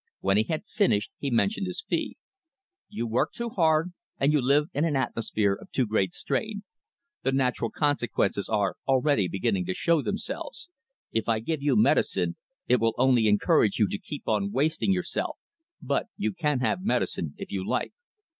When he had finished he mentioned his fee. "You work too hard, and you live in an atmosphere of too great strain. The natural consequences are already beginning to show themselves. If I give you medicine, it will only encourage you to keep on wasting yourself, but you can have medicine if you like."